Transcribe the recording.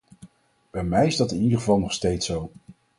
Bij mij is dat in ieder geval nog steeds zo.